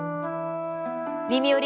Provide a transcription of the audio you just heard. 「みみより！